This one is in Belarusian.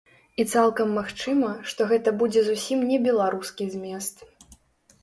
І цалкам магчыма, што гэта будзе зусім не беларускі змест.